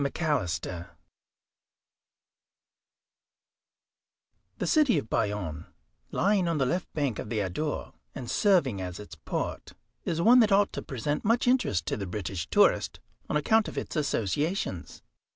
McALISTER The city of Bayonne, lying on the left bank of the Adour, and serving as its port, is one that ought to present much interest to the British tourist, on account of its associations.